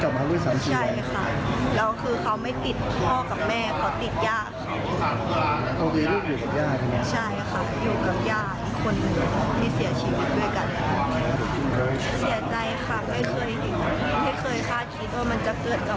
จะมาหาลูกได้๓๔วันแล้วเขาไม่ติดพ่อกับแม่เขาติดย่า